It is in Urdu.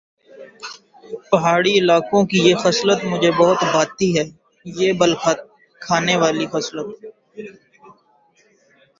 پہاڑی علاقوں کی یہ خصلت مجھے بہت بھاتی ہے یہ بل کھانے والی خصلت